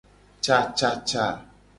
Cacaca.